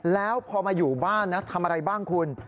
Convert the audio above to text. แล้วพอมาอยู่บ้านนะทำอะไรบ้างคุณ